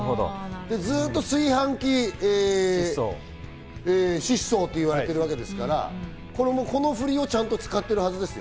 ずっと炊飯器失踪と言われているわけですからこの振りを使ってるはずですよ。